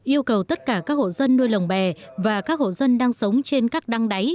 yêu cầu tất cả các hộ dân nuôi lồng bè và các hộ dân đang sống trên các đăng đáy